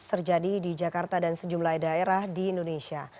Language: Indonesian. terjadi di jakarta dan sejumlah daerah di indonesia